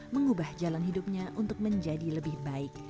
mengubah jalan hidupnya untuk menjadi lebih baik